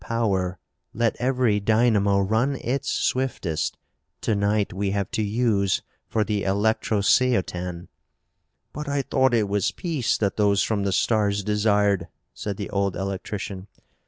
"Power! Let every dynamo run its swiftest. To night we have to use for the electrosceotan!" "But I thought it was peace that those from the stars desired," said the old electrician.